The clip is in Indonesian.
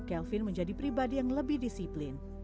kelvin menjadi pribadi yang lebih disiplin